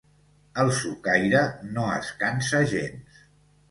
El socaire no es cansa gens.